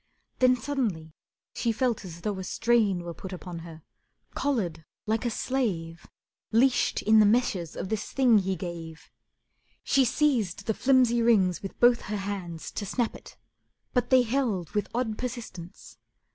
Then suddenly she felt as though a strain Were put upon her, collared like a slave, Leashed in the meshes of this thing he gave. She seized the flimsy rings with both her hands To snap it, but they held with odd persistence.